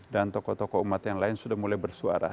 tokoh tokoh umat yang lain sudah mulai bersuara